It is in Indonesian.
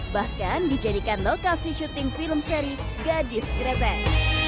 bahkan dijadikan lokasi syuting film seri gadis greten